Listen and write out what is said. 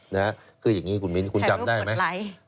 นะฮะคืออย่างงี้ขุ่นป่าวคุณจำได้ไหมนี่แค่ลูปกดไลน์